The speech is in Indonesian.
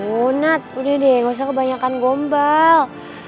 oh nat udah deh gak usah kebanyakan gombal